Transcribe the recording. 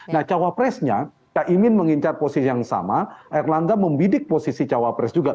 nah capresnya tak ingin mengincar posisi yang sama erlangga membidik posisi capres juga